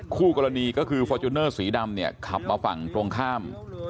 คู่กรณีก็คือฟอร์จูเนอร์สีดำเนี่ยขับมาฝั่งตรงข้าม